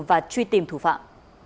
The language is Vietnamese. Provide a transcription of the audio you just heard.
và truy tìm thủ phạm